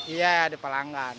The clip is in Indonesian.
iya ada pelanggan